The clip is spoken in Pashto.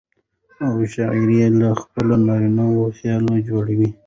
او شاعر يې له خپل نارينه خياله جوړوي.